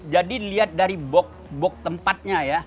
jadi lihat dari bok bok tempatnya ya